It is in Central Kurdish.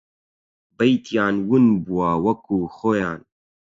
بەیتیان ون بووە وەکوو خۆیان